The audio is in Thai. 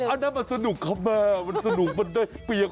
อันนั้นมันสนุกครับแม่มันสนุกมันได้เปียก